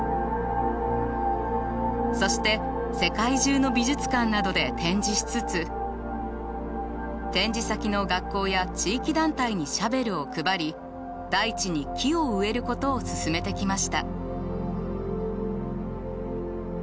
そして世界中の美術館などで展示しつつ展示先の学校や地域団体にシャベルを配り大地に木を植えることを勧めてきました。